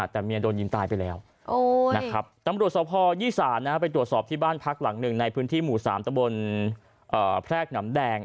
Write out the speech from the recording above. ที่บ้านพักหลังหนึ่งในพื้นที่หมู่สามตะบลแพรกหนำแดง